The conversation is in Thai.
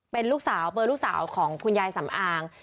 เป็นลูกสาวเบอร์ลูกสาวของคุณยายสำอาง